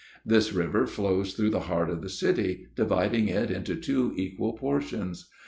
This river flows through the heart of the city, dividing it into two equal portions.